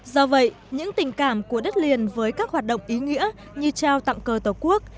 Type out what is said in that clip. do vậy những tình cảm của đất liền với các hoạt động ý nghĩa như trao tặng cờ tổ quốc